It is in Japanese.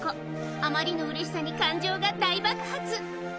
あまりの嬉しさに感情が大爆発。